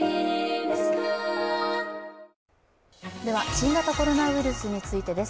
新型コロナウイルスについてです。